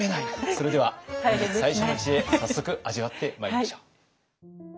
それでは本日最初の知恵早速味わってまいりましょう。